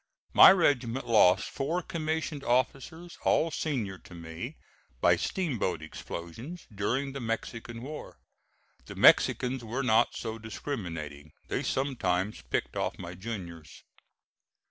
My regiment lost four commissioned officers, all senior to me, by steamboat explosions during the Mexican war. The Mexicans were not so discriminating. They sometimes picked off my juniors.